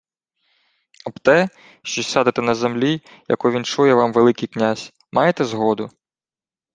— Об те, що сядете на землі, яку віншує вам Великий князь. Маєте згоду?